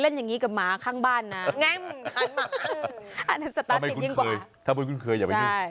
โดยคุณค่อยกับนี้